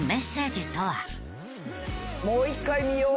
もう一回見よう。